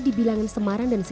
setelah melihat hak hits